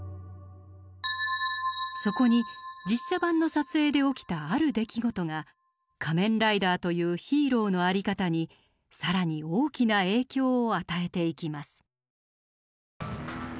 そこに実写版の撮影で起きたある出来事が仮面ライダーというヒーローの在り方に更に大きな影響を与えていきます。